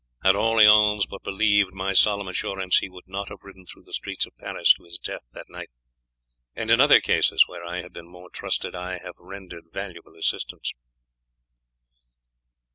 Had Orleans but believed my solemn assurance he would not have ridden through the streets of Paris to his death that night, and in other cases where I have been more trusted I have rendered valuable assistance."